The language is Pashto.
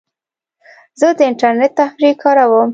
زه د انټرنیټ تفریح کاروم.